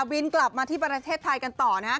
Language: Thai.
บินกลับมาที่ประเทศไทยกันต่อนะฮะ